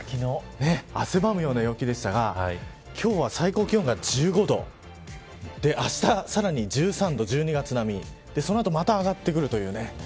汗ばむような陽気でしたが今日は最高気温が１５度であした、さらに１３度１２月並みその後また上がってくるというね。